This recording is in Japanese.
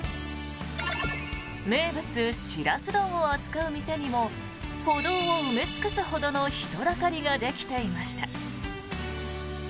名物・シラス丼を扱う店にも歩道を埋め尽くすほどの人だかりができていました。